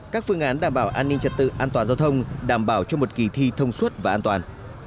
các phương án đảm bảo an ninh trật tự an toàn giao thông đảm bảo cho một kỳ thi thông suốt và an toàn